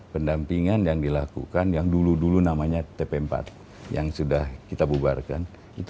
pendampingan yang dilakukan yang dulu dulu namanya tp empat yang sudah kita bubarkan itu